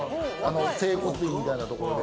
整骨院みたいなところで。